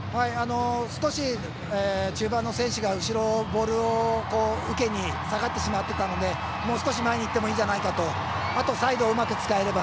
少し、中盤の選手が後ろ、ボールを受けに下がってしまっていたのでもう少し前にいってもいいんじゃないかとあとはサイドをうまく使えれば。